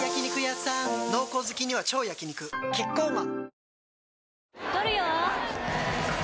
濃厚好きには超焼肉キッコーマン